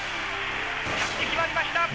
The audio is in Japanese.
着地、決まりました。